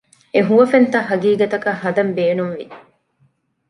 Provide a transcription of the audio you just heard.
އެ ހުވަފެންތައް ހަގީގަތަކަށް ހަދަން ބޭނުންވި